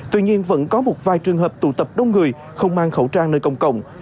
tuy nhiên vẫn có một vài trường hợp tụ tập đông người không mang khẩu trang nơi công cộng